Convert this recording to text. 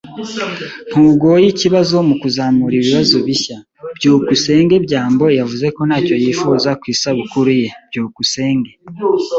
Ntugoye ikibazo mukuzamura ibibazo bishya. byukusenge byambo yavuze ko ntacyo yifuza ku isabukuru ye. byukusenge